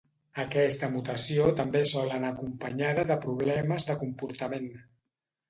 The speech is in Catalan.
Aquesta mutació també sol anar acompanyada de problemes de comportament.